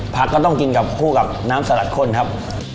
ก็ต้องกินกับคู่กับน้ำสลัดข้นครับ